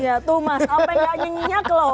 iya tuh mas sampai gak nyenyak loh